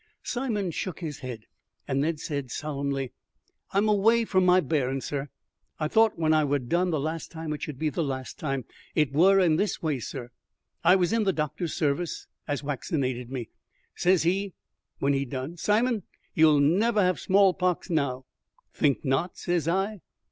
Simon shook his head, and then said solemnly, "I'm away from my bearin's, sur. I thought when I wur done the last time it should be the last time. It wur in this way, sur. I was in the doctor's service as waccinated me. Says he, when he'd done, 'Simon, you'll never have small pox now.' 'Think not?' says I.